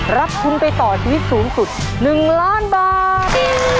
รับทุนไปต่อชีวิตสูงสุด๑ล้านบาท